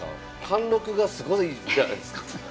貫禄がすごいじゃないですか。